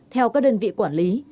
theo các đơn vị quản lý